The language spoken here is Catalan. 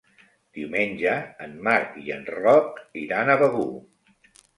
Diumenge en Marc i en Roc iran a Begur.